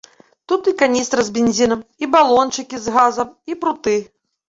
Тут і каністра з бензінам, і балончыкі з газам, і пруты.